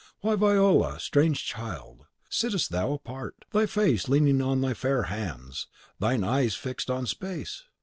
Why, Viola, strange child, sittest thou apart, thy face leaning on thy fair hands, thine eyes fixed on space?